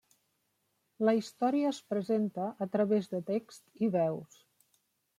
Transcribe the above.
La història es presenta a través de text i veus.